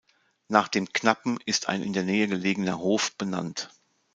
Nach dem Knappen ist ein in der Nähe gelegener Hof benannt.